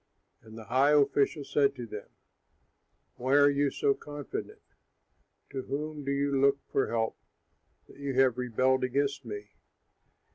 And the high official said to them, "Why are you so confident? To whom do you look for help that you have rebelled against me?